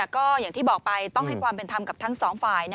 ก็อย่างที่บอกไปต้องให้ความเป็นธรรมกับทั้งสองฝ่าย